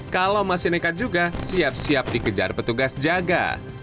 kalau masih nekat juga siap siap dikejar petugas jaga